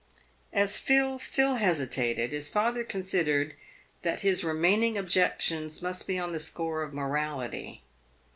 As Phil still hesitated, his father considered that his remaining objections must be on the score of morality.